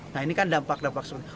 nah ini kan dampak dampak sebenarnya